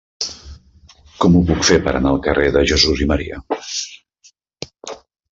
Com ho puc fer per anar al carrer de Jesús i Maria?